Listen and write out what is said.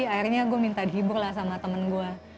akhirnya gue minta dihibur lah sama temen gue